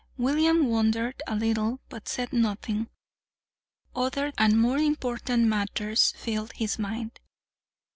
William wondered a little, but said nothing. Other and more important matters filled his mind.